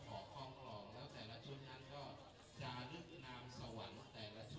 แล้วก็ขออนุโมทนาย่านโยงเท่านี้นายโยงนะครับ